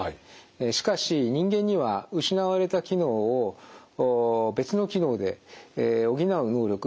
しかし人間には失われた機能を別の機能で補う能力があります。